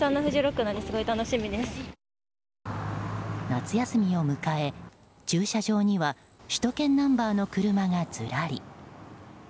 夏休みを迎え、駐車場には首都圏ナンバーの車がずらり。